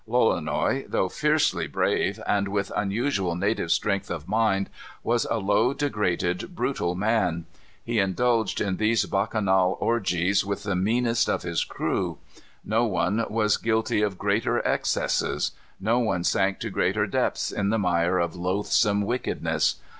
Lolonois, though fiercely brave, and with unusual native strength of mind, was a low, degraded, brutal man. He indulged in these bacchanal orgies with the meanest of his crew. No one was guilty of greater excesses. No one sank to greater depths in the mire of loathsome wickedness.